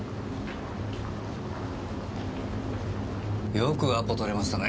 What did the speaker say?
よくアポ取れましたね